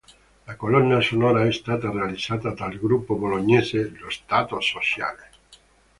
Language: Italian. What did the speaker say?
La colonna sonora è stata realizzata dal gruppo bolognese Lo Stato Sociale.